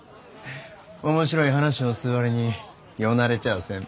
面白い話をする割に世慣れちゃあせん。